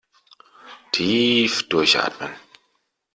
Tief durchatmen!